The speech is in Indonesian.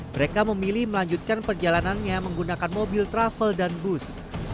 mereka memilih melanjutkan perjalanannya menggunakan mobil travel dan bus